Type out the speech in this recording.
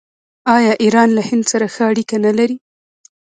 آیا ایران له هند سره ښه اړیکې نلري؟